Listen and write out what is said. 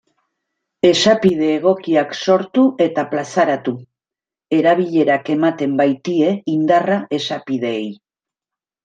Esapide egokiak sortu eta plazaratu, erabilerak ematen baitie indarra esapideei.